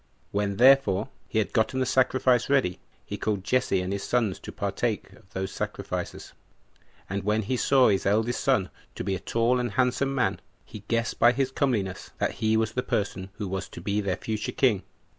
When, therefore, he had gotten the sacrifice ready, he called Jesse and his sons to partake of those sacrifices; and when he saw his eldest son to be a tall and handsome man, he guessed by his comeliness that he was the person who was to be their future king.